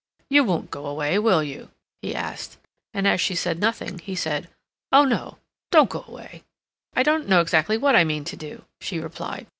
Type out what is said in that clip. "You won't go away, will you?" he asked. And as she said nothing, he added, "Oh no, don't go away." "I don't know exactly what I mean to do," she replied.